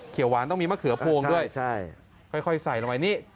เขียววานต้องมีมะเขือพวงด้วยครับเข้าไว้ใส่รวัยนี่